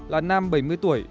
là nam bảy mươi tuổi